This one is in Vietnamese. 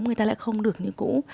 người ta lại không được như cũ